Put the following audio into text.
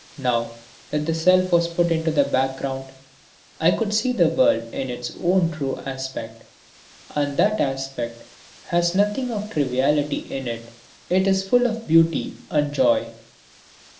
Now, that the self was put into the background, I could see the world in its own true aspect. And that aspect has nothing of triviality in it, it is full of beauty and joy.